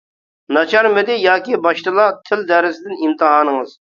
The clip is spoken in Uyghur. ناچارمىدى ياكى باشتىلا، تىل دەرسىدىن ئىمتىھانىڭىز.